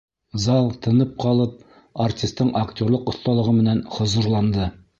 Зал, тын ҡалып, артистың актерлыҡ оҫталығы менән хозурланды.